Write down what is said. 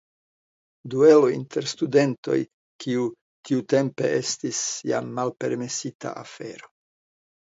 Duelo inter studentoj kiu tiutempe estis jam malpermesita afero.